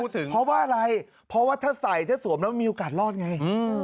เพราะว่าอะไรเพราะว่าถ้าใส่ถ้าสวมแล้วมีโอกาสรอดไง